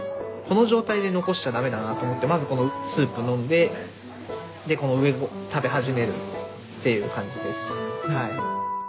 この状態で残しちゃ駄目だなと思ってまずこのスープ飲んででこの上を食べ始めるっていう感じです。